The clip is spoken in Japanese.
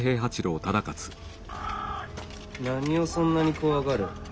何をそんなに怖がる？